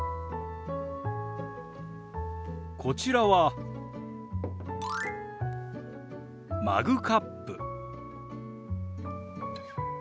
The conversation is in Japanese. こちらはマグカップ。